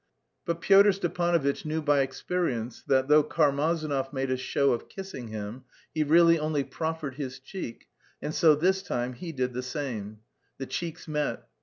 But Pyotr Stepanovitch knew by experience that, though Karmazinov made a show of kissing him, he really only proffered his cheek, and so this time he did the same: the cheeks met.